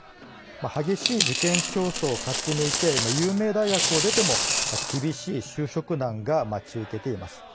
激しい受験競争を勝ち抜いて有名大学を出ても厳しい就職難が待ち受けています。